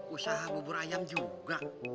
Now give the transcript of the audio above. usaha bubur ayam juga